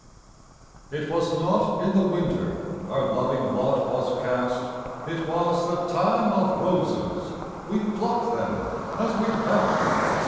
It was not in the Winter Our loving lot was cast; It was the Time of Roses, We plucked them as we passed!